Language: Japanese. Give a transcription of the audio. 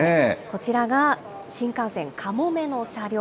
こちらが新幹線かもめの車両。